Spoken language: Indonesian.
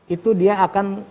itu dia akan